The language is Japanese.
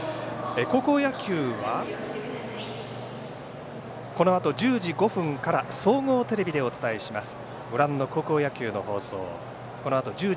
高校野球はこのあと１０時５分から総合テレビでお伝えします。